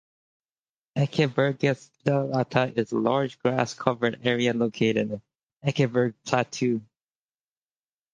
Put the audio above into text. Ekebergsletta is a large grass covered area located on Ekeberg plateau.